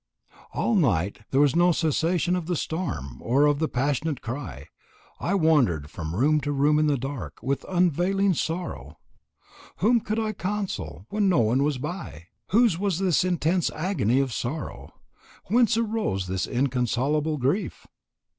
All night there was no cessation of the storm or of the passionate cry. I wandered from room to room in the dark, with unavailing sorrow. Whom could I console when no one was by? Whose was this intense agony of sorrow? Whence arose this inconsolable grief?